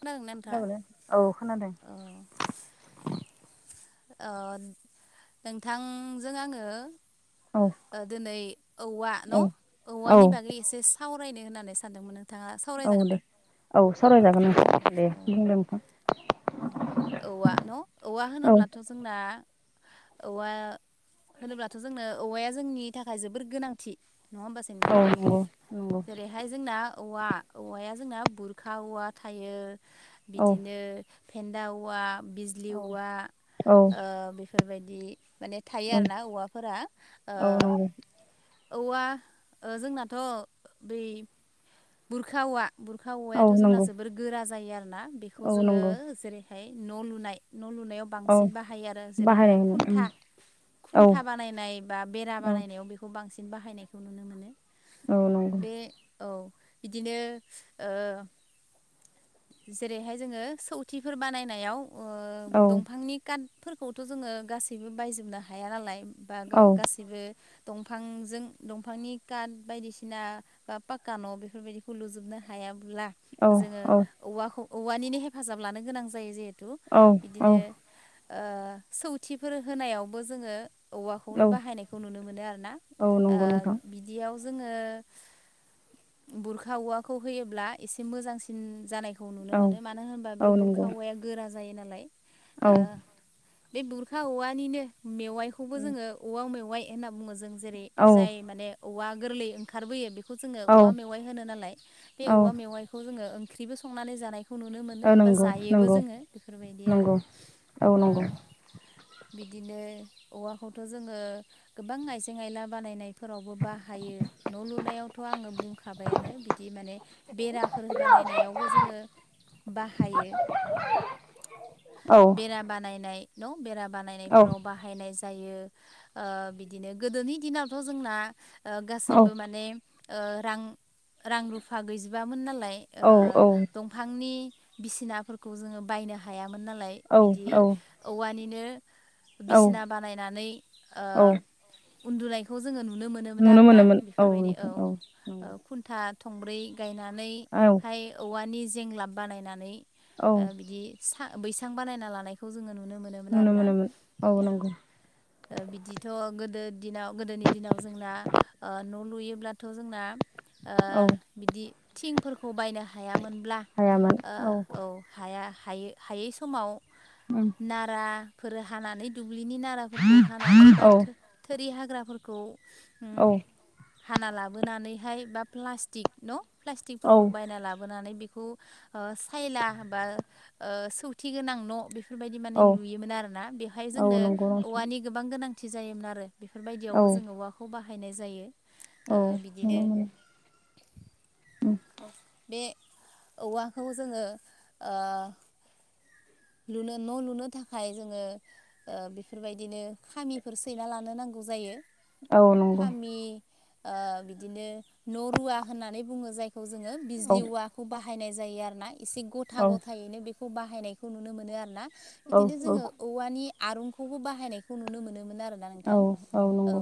खोनादोंना नोंथाङा खोनाबायना औ खोनादों। औ नोंथांजों आंङो। औ ओ दिनै औवा औ न' औ औवानि बागै एसे। सावरायनो होननानै सानदोंमोन आं। औ दे औ सावरायजागोन औ आं दे औ बुं दे नोंथां। औवा न' औवा औ होनोब्लाथ' जोंना। औवा होनोब्लाथ' जोंनो औवाया जोंनि थाखाय जोबोर गोनांथि। नङा होमबासो नोंथां औ नंगौ नंगौ जेरैहाय जोंना। औवा औवाया जोंना बुरखा औवा थायो औ बिदिनो। फेन्दा औवा बिजलि औ औवा औ ओ बेफोरबायदि। माने थायो आरो ना औवाफोरा ओ। औवा जोंनाथ' बै बुरखा औवा बुरखा औ नंगौ औ औवायाथ' जोंना नंगौ जोबोर गोरा जायो आरोना बेखौ औ जोङो नंगौ जेरैहाय न' लुनाय न' लुनायाव औ बांसिन बाहायो आरो जेरैहाय बाहायनाय उम खुन्था औ खुन्था बानायनाय बा बेरा औ बानायनायाव बेखौ बांसिन बाहायनायखौ नुनो मोनो औ नंगौ बे औ बिदिनो ओ जेरैहाय जोङो सौथिफोर बानायनायाव औ औ दंफांनि कात फोरखौथ' जोङो गासैबो बायजोबनो हाया नालाय बा औ गाव गासैबो दंफांजों दंफांनि काट बायदिसिना बा पाक्का न' बेफोरबायदिखौ लुजोबनो हाया ब्ला औ जोङो औवाखौ औवानिनो हेफाजाब लानो गोनां जायो जिहेतु थ औ औ बिदिनो ओ सौथिफोर होनायावबो जोङो औ औवाखौनो बाहायनायखौ नुनो मोनो आरो ना औ नंगौ नोंथां ओ बिदियाव जोङो बुरखा औवाखौ होयोब्ला एसे मोजांसिन जानायखौ खौ नुनो औ मोनो मानो होनबा बे औ बुरखा नंगौ औवाया गोरा जायो नालाय औ बे बुरखा औवानिनो मेवाइखौबो जोङो औवा मेवाइ होनना बुङो जों जेरै औ जाय माने औवा गोरलै ओंखारबोयो बेखौ जोङो औवा औ मेवाइ होनो नालाय बे औवा औ मेवाइखौ जोङो ओंख्रिबो संनानै जानायखौ खौ नुनो मोनो बा नंगौ जायोबो नंगौ जोङो बेफोरबायदि आरो नंगौ औ नंगौ ओ बिदिनो औवाखौथ' जोङो गोबां आइजें आइला बानायनायफोरावबो बाहायो। न' लुनायावथ' आङो बुंखाबायानो बिदि माने बेराफोर होनायावबो जोङो बाहायो। औ बेरा बानायनाय बेरा औ बानायनायफोराव बाहायनाय जा जायो ओ बिदिनो गोदोनि दिनावथ' जोंना औ गासैबो माने ओ रां रां रुफा गैजोबामोन नालाय ओ दंफांनि बिसिनाफोरखौ जोङो बायनो हायामोन नालाय औ बिदि औवानिनो औ बिसिना बानायनानै ओ औ उन्दुनायखौ जोङो नु नुनो मोनोमोन नुनो आरोना मोनोमोन बेफोरबायदि औ नोंथां औ नंगौ खुन्था थंब्रै गायनानै औ हाय औवानि जेंलाब बानायनानै औ ओ बिदि बैसां बानायना लानायखौ जोङो नुनो मोनो नुनो मोनोमोन आरोना ओ बिदिथ' गोदो दिनाव गोदोनि दिनाव जोंना ओ न' लुयोब्लाथ' जोंना ओ औ बिदि थिंफोरखौ बायनो हायामोन ब्ला औ हाया हा हायै समाव उम नारा फोर हानानै दुब्लिनि नाराफोरखौ हानानै बा औ थोरि हाग्राफोरखौ औ हाना लाबोनानैहाय बा प्लास्टिक न' प्लास्टिक औ फोरखौ बायना लाबोनानै बेखौ ओ सायला बा ओ सौथि गोनां न' बे बेफोरबायदि माने औ लुयोमोन आरोना बेवहाय औ जोंनो नंगौ नोंथां औवानि गोबां गोनांथि जायोमोन आरो औ बेफोरबायदियावबो जोङो औवाखौ बाहायनाय जायो औ ओ मोनो बिदिनो मोनो [inaudible] ओम बे औवाखौ जोङो ओ लुनो न' लुनो थाखाय जोङो ओ बेफोरबायदिनो खामिफोर सैना लानो नांगौ जायो औ नंगौ खामि ओ बिदिनो नरुवा होननानै बुङो जायखौ खौ जोङो औ बिजलि औवाखौ बाहायनाय जायो आरोना एसे गथा औ गथायैनो बेखौ बाहायनायखौ खौ नुनो मोनो आरोना औ बिदिनो जोङो औवानि आरुनखौबो बाहायनायखौ नुनो मोनोमोन आरो औ नोंथां औ नंगौ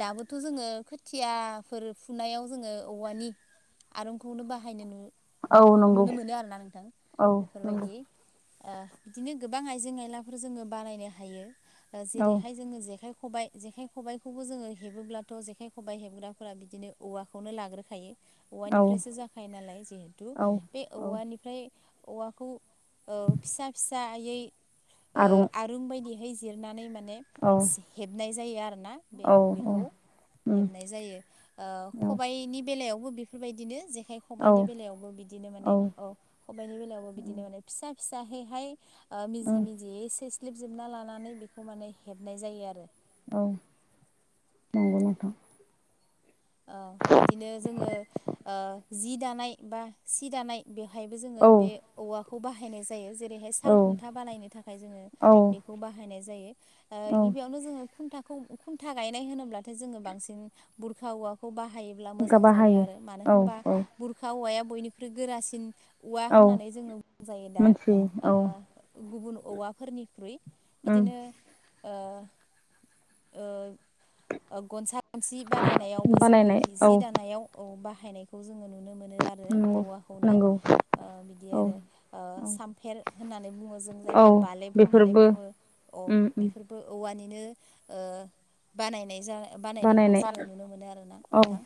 दाबो थ' जोङो खोथियाफोर फुनायाव जोङो औवानि आरुनखौनो बाहायनो औ नु नंगौ नुनो मोनो आरोना नोंथां औ नंगौ बेफोरबायदि ओ बिदिनो गोबां आइजें आयलाफोर जोङो बानायनो हायो जेरैहाय जोङो जेखाय खबाइ जेखाइ खबाइखौबो जोङो हेबोब्लाथ' जेखाइ खबाइ हेबग्राफोरा बिदिनो औवाखौनो लाग्रोखायो। औ औवानिफ्रायसो जाखायो नालाय जिहेथु औ बे औ औवानिफ्राय औवाखौ औ फिसा फिसायै आरुं बायदिहै जिरनानै माने औ हेबनाय जायो आरोना बे औ बेखौ। उम हेबनाय जायो खबाइनि बेलायाव बो बेफोरबायदिनो जेखाय औ खबाइनि बेलायावबो बिदिनो माने औ खबाइनि बेलायावबो बिदिनो औ माने फिसा फिसाहैहाय मिजि उम मिजियै ख्लिबजोबना लानानै बेखौ माने हेबनाय जायो आरो। औ नंगौ नोंथां बिदिनो जोङो जि दानाय बा सि दानाय बेवहायबो जोङो औ बे औवाखौ बाहायनाय जायो जेरै हाय औ साल खुन्था बानायनो थाखाय जोङो औ बेखौ बाहायनाय जायो औ गिबियावनो जो खुनथा खुन्था गायनाय होनोब्लाथाय जोङो बांसिन बुरखाा औवाखौ बाहाय बाहायोब्ला खुगा मोजां जायो बाहायो आरो मानो औ होनबा औ बुरखा हौवाया बयनिख्रुइ गोरासिन औवा औ होननानै जोङो बुंजायो दा मोनथियो औ गुबुन औवाफोरनिख्रुइ उम बिदिनो गनसा गुमसि बानायनायावबो जोङो बानायनाय जि औ दानायाव बाहायनायखौ जोङो नुनो मोनो आरो नंगौ औवाखौनो नंगौ बिदि औ आरो औ सामफेर होननानै बुङो जों औ जायखौ जोङो बालेब होननानै बेफोरबो बुङो आं उम उम बेफोरबो औवानि बानायनाय बानायनायखौ बानायनाय जानो नु यो आरोना औ नोंथां।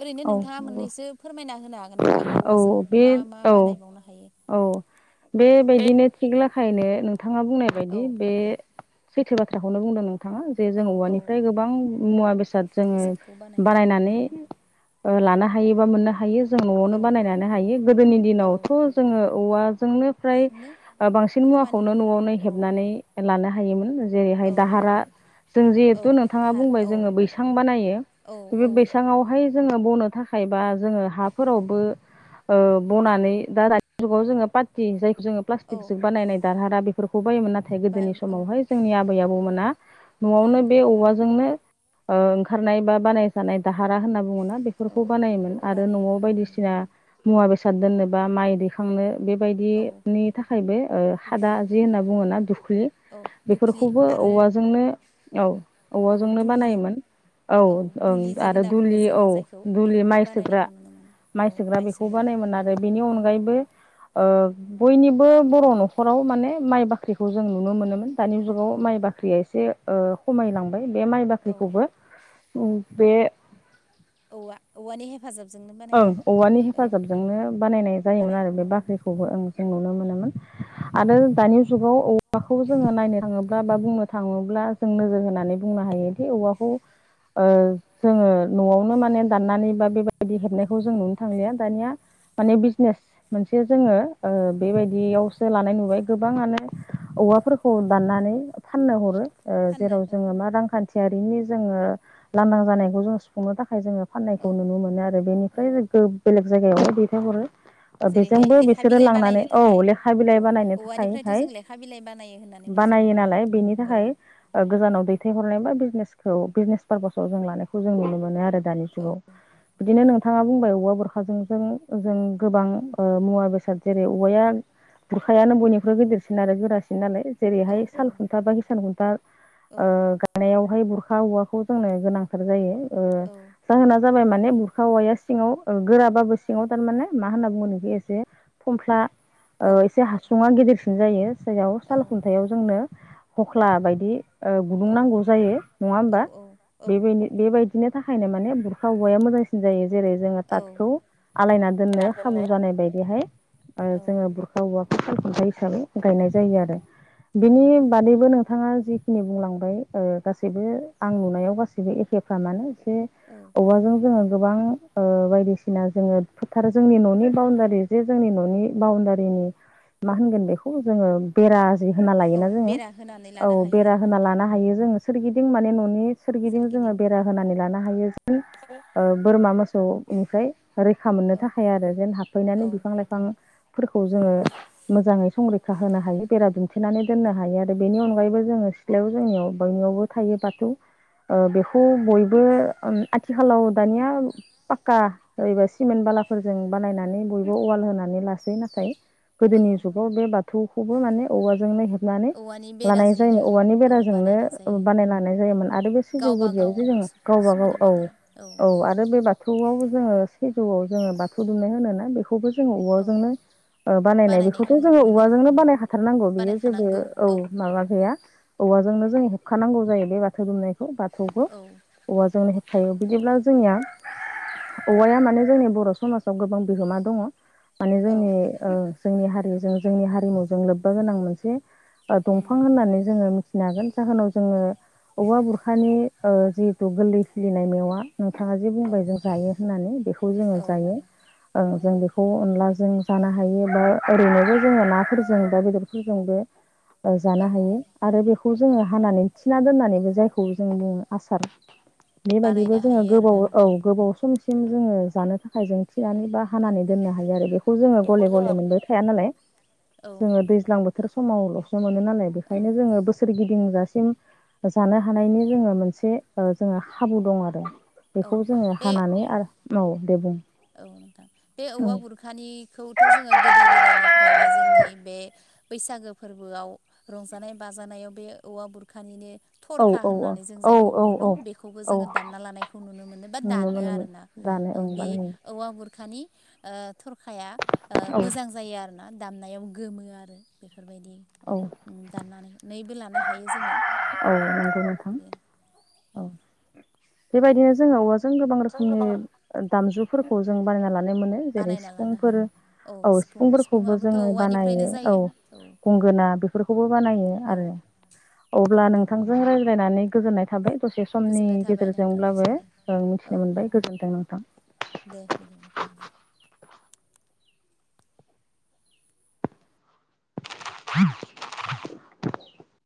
ओरैनो औ नोंथाङा नंगौ मोननैसो फोरमाय नो हागोन नामा औ औाजों बे मा मा औ बानायबावनो हायो। औ बेबायदिनो थिग लाखायैनो नोंथाङा बुंनाय औ बायदि बे सैथो बाथ्राखौनो बुंदों नों थाङा जे जों औ औ औवानिफ्राय गोबां मुवा बेसाद जोङो बेसादखौ बानायनायखौ नुनो बानायनानै मोनो लानो हायो बा मोननो हायो। न'आवनो औ बानायनानै हायो गोदोनि औ दिनावथ' जोङो औवाजोंनो फ्राय नो बांसिन मुवाखौनो खामानिखौ न'आवनो औ हेबनानै लानो हायोमोन। जेरैहाय औ दाहारा जों औ जिहेथु नोंथाङा था बुंबाय औ जोङो बैसां बानायो। औ बे औ बैसाङावहाय जोङो बनो थाखाय बा जोङो हाफ फोरावबो बनानै दा दानिुाव जो पाति जाय जोङो औ प्लास्टिक ज बानायनाय दारहारा बेफोरखौ बायोमोन नाथाय बा गोदोनि औ समावहाय जोंनि आबै आबौमोना औ न'आवनो बे औवाजोंनो ओंखारनाय बा बानायजानाय दाहारा होनना बुङोना औ बेफोरखौ बानायोमोन आरो बानायनायखौ न'आव नुनो मोनो बायदिसिना मुवा बेसाद दोननोबा माइ दैखांनो औ बेबायदिनि थाखायबो हादा जि होनना बुङोना दुख्लि औ दुख्लि बेफोरखौबो आरो औवाजोंनो औ औ औवाजोंनो दुलि बानायोमोन। औ ओं दुलि जि आरो होनना बुङो दुलि औ जोङो जायखौ दुलि बेखौबो माइ सोग्रा बानायनायखौ नुनो मोनो औ माइ सोग्रा बेखौ बानायोमोन आरो बेनि औ अनगायैबो ओ बयनिबो बर' न'खराव माने माइ बाख्रिखौ जों नुनो मोनोमोन। दानि मोनो जुगाव औ माइ बाख्रिया एसे खमायलांबाय बे माइ औ बाख्रिखौबो बे औवा औवानि हेफाजाबजोंनो ओं बानायनाय औवानि औ हेफाजाबजोंनो बानायनाय जायोमोन आरो बानायनायखौ बे नुनो मोनो औ बाख्रिखौबो ओ जों नुनो मोनोमोन। औ आरो दानि जुगाव औवाखौबो जोङो नायनो थाङोब्ला बा बा बुंनो थाङोब्ला जों नोजोर होनानै बुंनो हायोदि औवाखौ जोङो न'आवनो माने दाननानै बा बेबायदि बायदि हेबनायखौ जों नुनो थांलिया दानिया माने बिजनेस मोनसे जोङो औ बेबायदियावसो लानाय नुयो। गोबाङानो औवाफोरखौ दाननानै फाननो हरो फाननो जेराव जोङो मा रांखान्थियारिनि जोङो लांदां जानायखौ जों सुफुंनो थाखाय जोङो औ फाननायखौ नुनो मोनो आरो औ बेनिफ्राय बेलेग जायगायाव दैथायहरो जेरैहाय बेजोंबो लेखा बिसोरो बिलाइ लांनानै बानायनो औ थाखाय लेखा औ बिलाइ बानायनो औवानिफ्रायथ' थाखायहाय जों लेखा बिलाइ बानायो होन बानायो नालाय बेनि थाखाय गोजानाव दैथायहरनाय बा बिजिनेस पारपसाव जों नुनो मोनो आरो दानि औ जुगाव बिदिनो नोंथा बुंबाय औवा बुरखाजों जों जों गोबां मुवा बेसाद जेरै औवाया बुरखायानो बयनिरुइ गदिरसिन आरो गोरासिन नालाय औ जेरैहाय औ साल खुन्था बा हिसान खुन्था औ गानायावहाय बुरखा खा औवाखौ जोंनो गोनांथार जायो जाहोना जाबाय माने औवाया सिङाव गोराबाबो सिङाव थारमाने मा होनना बुङो सिंवाव एसे फमफ्ला औ एसे हासुङा गिदिरसिन जायो जायाव औ साल खुन्थायाव जोंनो हख्ला बायदि औ गुदुं नांगौ जायो नङा औ होमबा औ बे बाय-बे बेबायदि बिनि थाखायनो माने बुरखा औवाया मोजांसिन जायो। जेरै जोङो ताथखौ आलायना दोननो खाबु जानाय बायदिहाय औ जोङो बुरखा औवाखौ खुन्था हिसाबै गायनाय जायो आरो बिनि नोंथां बादैबो नोंथाङा जिखिनि बुंलांबाय गासैबो आं नुनायाव गासैबो एखेफ्रा मानो औ औवाजों जों गोबां ओ बायदिसिना जोङो फोथारो जोंनि न'नि बाउण्डारि जे जोंनि न'नि बाउण्डारि मा होनगोन बेखौ जोङो बेरा जि होना लाय औ ना जोङो बेरा होनानै औ लानो हायो बेरा आरोना होना नोंथां लानो हायो जोङो सोरगिदिं माने न'नि सोरगिदिं जोङो बेरा होनानै लानो हायो‌। औ बोरमा मोसौनिफ्राय रैखा मोननो औ थाखाय आरो जेन हाबफैनानै औ बिफां लाइफां फोरखौ जोङो मोजाङै संरैखा होनो हायो बेरा दोमनेनै दोननो हायो आरो बेनि अनगायैबो जोङो सिलायाव जोंनियाव बयनियावबो थायो बाथौ ओ बेखौ बयबो उम आथिखालाव दानिया पाक्का ओरैबा सिमेन्ट बालाफोरजों बानायनानै बयबो अवाल होनानै लासै नाथाय औ गोदोनि जुगाव बे बाथौखौबो माने औवाजोंनो हेबो नानै औवानि लानाय बेराजोंनो जायोमोन औवानि औ बानायनाय बेराजोंनो जायो बानाय लानाय जायोमोन आरो बे गावबा सिजौगुदियाव गाव जे जोङो गावबागाव सुबिदा बायदि औ औ आरो बे बाथौआव जोङो सिजौआव जोङो बाथौ दुमनाय होनो ना बेखौ बेखौबो जोङो औ औवाजोंनो बानायनाय बेखौथ' बानायनायखौ नुनो जोङो मोनो औवाजोंनो बानाय हाथारनांगौ बेयो जेबो औ माबा गैया औवाजोंनो जों हेबखानांगौ जायो बे बाथौ दुमनायखौ बाथौखौ औ औवाजोंनो हेबखायो बिदिब्ला जोंनिया औवाया माने जोंनि बर' समाजाव गोबां बिहोमा दङ माने औ जोंनि ओ जोंनि हारिजों जोंनि हारिमुजों लोब्बा गोनां मोनसे उम दंफां होननानै जोङो मिथि होननो हागोन जाहोनाव जोङो औवा बुरखानि जिहेथु गोरलै खिलिनाय मेवा नोंथाङा जे औ बुंबाय जों जायो होननानै बेखौ जोङो औ जायो जों बेखौ अनलाजों जानो हायो बा ओरैनोबो जोङो नाफोरजों बा बेदरफोरजोंबो औ जानो हायो आरो बेखौ औ जोङो हानानै थि दोननानै जायखौ जों आसार बेबायदिबो बानायनो जोङो हायो आरोना औ नोंथां गोबाव सम सिम जोङो जानो थाखाय जों फिसिनानै बा औ हानानै दोननो हायो आरो बेखौ जोङो गले गले मोनबो थाया नालाय औ जोङो दैज्लांबो बोथोर समावल'सो मोनो नालाय औ बेखायनो जोङो बोसोर गिदिं गंजासिम जानो हानायनि जोङो मोनसे जोङो खाबु दं आरो औ बेखौ जोङो बे हानानै आरो देबुं औ नोंथां बे औवा गुरखानिखौथ' जोङो गोदो गोदायनिफ्रायनो जोंनि बे बैसागो फोरबोआव रंजानाय बाजानायाव बे औवा बुरखानिनो औ थरखा औ होननानै जों औ जायखौ औ बुङो न' औ बेखौबो औ जोङो दानना लानायखौ नुनो मोनो बा नुनो दानो आरो मोनोमोन ना दानो उम बानायो औवा गुरखानि थरखाया मोजां जायो आरो ना दामनायाव गोमो आरो बेफोरबायदि औ औ दाननानैबो लानो हायो जोङो औ नंगौ नोंथां औ बेबायदिनो जोङो औवा जों गोबां रोखोमनि गोबां रोखोम दामजुफोरखौ जों बानायना लानो मोनो जेरै बानायना लानो सिफुंफोर हायो औ सिफुं सिफुंफोरखौबो सिफुङाबोथ' जोङो औवानिफ्रायनो बानायो औ जायो गंगोना बेफोरखौबो बानायो आरो [inaudible] अब्ला नोंथांजों रायज्लायनानै गोजोननाय थाबाय दसे समनि गोजोननाय थाबाय नोंथांनिसिमबो गेजेरजोंब्लाबों औ मिथिनो मोनबाय गोजोन्थों नोंथां दे बिदिब्ला [inaudible]